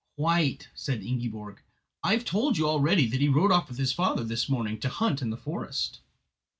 "Quite," said Ingiborg. "I've told you already that he rode off with his father this morning to hunt in the forest."